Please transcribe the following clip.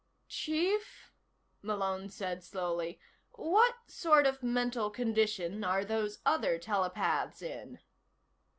"Chief," Malone said slowly, "what sort of mental condition are those other telepaths in?"